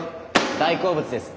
大好物です。